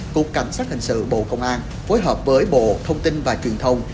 cục cảnh sát hình sự bộ công an phối hợp với bộ thông tin và truyền thông